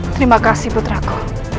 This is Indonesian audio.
terima kasih putraku